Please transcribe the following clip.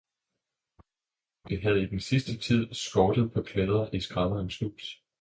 Det havde i den sidste tid skortet på klæder i skrædderens hus.